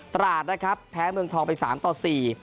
ตราดนะครับแพ้เมืองทองไป๓๔